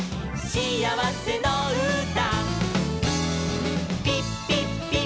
「しあわせのうた」